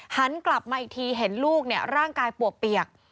หันกลับมาอีกทีเห็นลูกร่างกายปวกเปียก